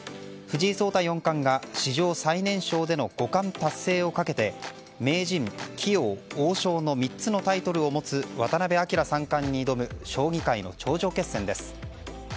藤井聡太四冠が史上最年少での五冠達成をかけて名人、棋王、王将の３つのタイトルを持つ渡辺明三冠に挑む将棋界の頂上決戦です。